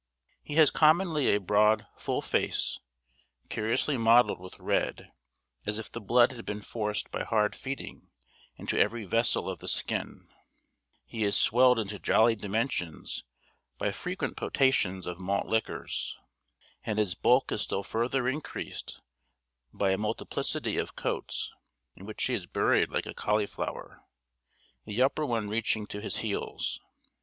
He has commonly a broad, full face, curiously mottled with red, as if the blood had been forced by hard feeding into every vessel of the skin; he is swelled into jolly dimensions by frequent potations of malt liquors, and his bulk is still further increased by a multiplicity of coats, in which he is buried like a cauliflower, the upper one reaching to his heels.